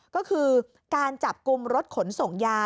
ก็คือการจับกลุ่มรถขนส่งยา